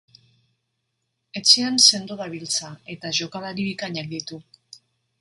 Etxean sendo dabiltza, eta jokalari bikainak ditu.